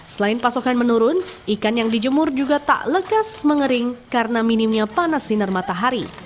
selain pasokan menurun ikan yang dijemur juga tak lekas mengering karena minimnya panas sinar matahari